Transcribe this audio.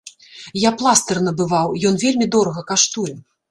Я пластыр набываў, ён вельмі дорага каштуе.